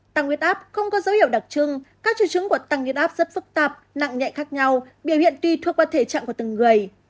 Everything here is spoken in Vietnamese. tăng nguyệt áp không có dấu hiệu đặc trưng các chữ chứng của tăng nguyệt áp rất phức tạp nặng nhẹ khác nhau biểu hiện tuy thuốc và thể trạng của từng người